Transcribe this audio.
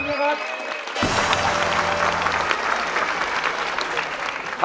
นะครับ